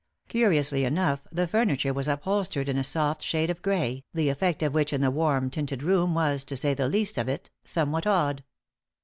Curiously enough, the furniture was upholstered in a soft shade of grey, the effect of which in the warm tinted room was, to say the least, of it, somewhat odd.